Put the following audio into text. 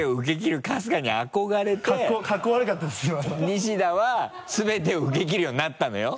西田は全てを受けきるようになったのよ。